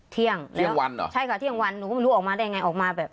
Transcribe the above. เที่ยงเที่ยงวันเหรอใช่ค่ะเที่ยงวันหนูก็ไม่รู้ออกมาได้ไงออกมาแบบ